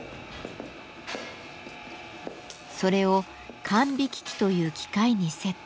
それを管引機という機械にセット。